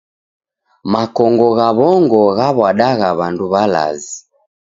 Makongo gha w'ongo ghaw'adagha w'andu w'alazi.